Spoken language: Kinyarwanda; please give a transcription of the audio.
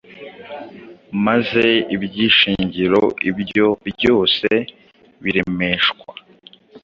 maze iby’ishingiro, ibyo byose biremeshwa,